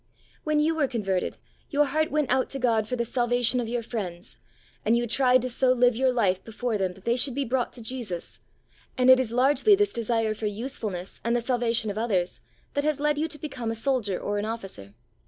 When you were converted your heart went out to God for the salvation of your friends, and you tried to so live your life before them that they should be brought to Jesus, and it is largely this desire for usefulness and the salvation of others that has led you to become a Soldier or an Officer.